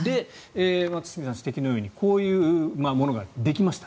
堤さん指摘のようにこういうものができました。